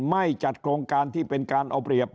ไม่จัดโครงการที่เป็นการเอาเปรียบ